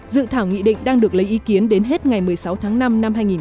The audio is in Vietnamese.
dự thảo nghị định đang được lấy ý kiến đến hết ngày một mươi sáu tháng năm năm hai nghìn hai mươi